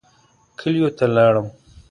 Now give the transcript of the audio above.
کلیو ته لاړم.